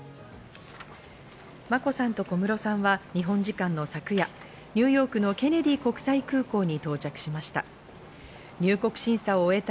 眞子さんと小室さんは日本時間の昨夜、ニューヨ―クのケネディ国際空港に到着しました。